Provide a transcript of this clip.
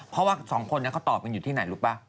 เพราะว่าสองคนเขาตอบกันอยู่ที่ไหนรู้ป่ะ